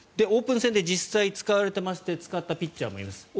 オープン戦で実際に使われていまして使ったピッチャーもいます。